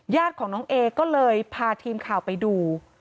ญาติของน้องเอก็เลยพาทีมข่าวไปดู